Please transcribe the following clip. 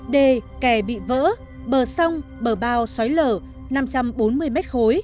đê kè bị vỡ bờ sông bờ bao xói lở năm trăm bốn mươi m ba